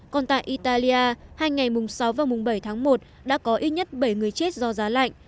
còn tại italia hai ngày mùng sáu và mùng bảy tháng một đã có ít nhất bảy người chết do giá lạnh